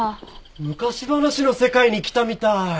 昔話の世界に来たみたい！